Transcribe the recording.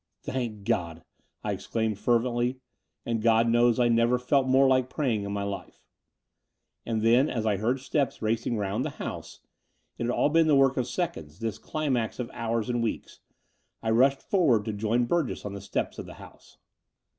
'* Thank God," I exclaimed fervently; and God knows I never felt more like prajdng in my life. And then, as I heard steps racing round the house — ^it had all been the work of seconds, this climax of hours and weeks — I rushed forward to join Burgess on the steps of the house.